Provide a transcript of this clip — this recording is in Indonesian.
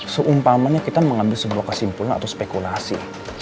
seumpamanya kita mengambil sebuah kesimpulan atau spekulasi